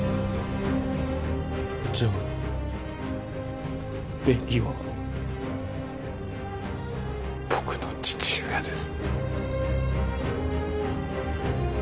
じゃあベキは僕の父親です